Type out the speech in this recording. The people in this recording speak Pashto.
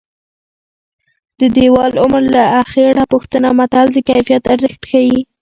د دېوال عمر له اخېړه پوښته متل د کیفیت ارزښت ښيي